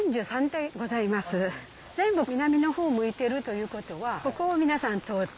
全部南のほう向いてるということはここを皆さん通って。